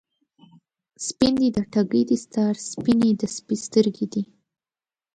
سپین دی د ټګۍ دستار، سپینې د سپي سترګی دي